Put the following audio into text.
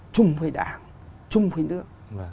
chung với đảng chung với nước